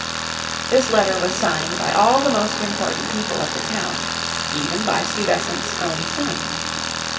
This letter was signed by all the most important people of the town, even by Stuyvesant's own son.